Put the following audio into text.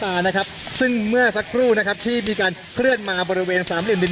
ทางกลุ่มมวลชนทะลุฟ้าทางกลุ่มมวลชนทะลุฟ้า